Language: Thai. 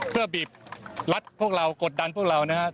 เพื่อบีบรัดพวกเรากดดันพวกเรานะครับ